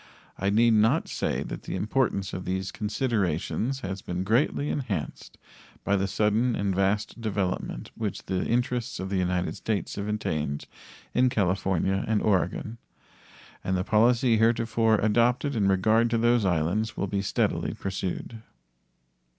I need not say that the importance of these considerations has been greatly enhanced by the sudden and vast development which the interests of the United States have attained in California and Oregon, and the policy heretofore adopted in regard to those islands will be steadily pursued.